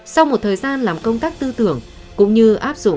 sau một thời gian làm công tác tư tưởng cũng như áp dụng công tác tư tưởng